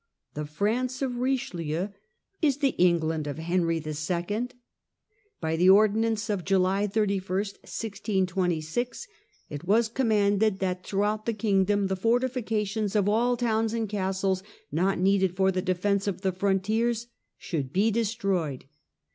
The France of Richelieu is the England of Henry II. By the ' ordonnance 9 of July 31, 1626, it was commanded that throughout the kingdom the fortifications of all towns and castles not needed for the defence of the frontiers should be destroyed.